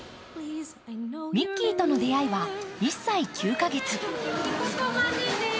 ミッキーとの出会いは１歳９か月。